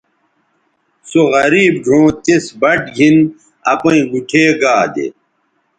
سو غریب ڙھؤں تِس بَٹ گِھن اپیئں گُوٹھے گا دے